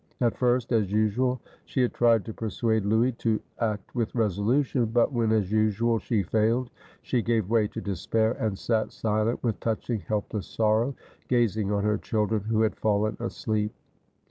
At first, as usual, she had tried to persuade Louis to act with resolution; but when, as usual, she failed, she gave way to despair, and sat silent, with touching helpless sorrow, gazing on her children, who had fallen asleep.